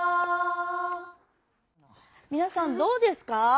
みなさんどうですか？